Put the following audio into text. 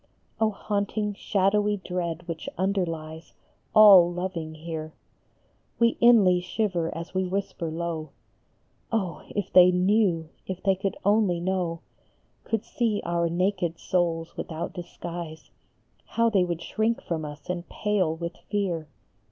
Oh, haunting shadowy dread which underlies All loving here ! We inly shiver as we whisper low, " Oh, if they knew if they could only know, Could see our naked souls without disguise How they would shrink from us and pale with fear